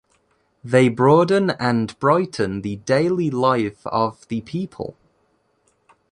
They broaden and brighten the daily life of the people.